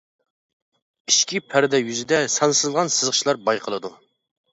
ئىچكى پەردە يۈزىدە سانسىزلىغان سىزىقچىلار بايقىلىدۇ.